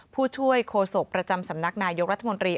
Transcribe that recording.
ผู้ช่วยโฆษกประจำสำนักนายกรัฐมนตรี